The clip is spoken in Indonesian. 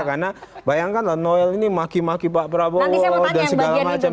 karena bayangkan lah noel ini maki maki pak prabowo dan segala macam